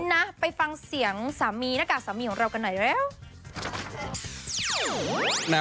นะไปฟังเสียงหน้ากากสามีของเรากันหน่อยดีกว่า